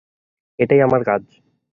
এটাই আমার কাজ।